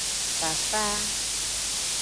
Fafa.